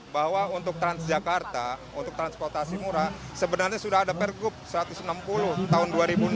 bahwa untuk transjakarta untuk transportasi murah sebenarnya sudah ada pergub satu ratus enam puluh tahun dua ribu enam belas